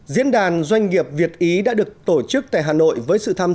diễn đàn doanh nghiệp việt ý đã được tổ chức tại hà nội với sự tham